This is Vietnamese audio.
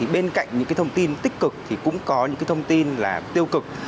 bên cạnh những thông tin tích cực thì cũng có những thông tin là tiêu cực